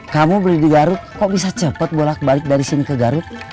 kamu beli di garut kok bisa cepat bolak balik dari sini ke garut